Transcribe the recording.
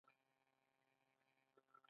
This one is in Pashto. د نوي دوران او غورځنګونو په دوران کې دي.